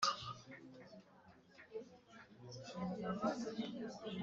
Inyandiko iteganyijwe amakuru yerekeye